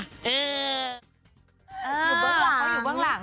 อยู่เบื้องหลังเขาอยู่เบื้องหลัง